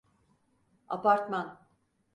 Apartman.